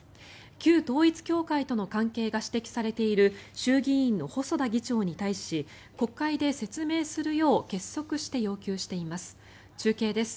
旧統一教会との関係が指摘されている衆議院の細田議長に対し国会で説明するよう結束して要求しています。